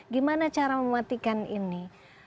gimana cara mematikan ini